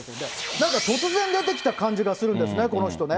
なんか突然出てきた感じがするんですね、この人ね。